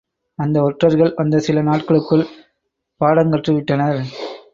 அந்த ஒற்றர்கள் வந்த சில நாட்களுக்குள் பாடங்கற்றுவிட்டனர்.